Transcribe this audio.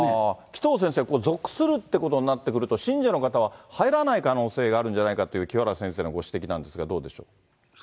紀藤先生、属するってことになってくると、信者の方は入らない可能性があるんじゃないかという、清原先生のご指摘なんですが、どうでしょう。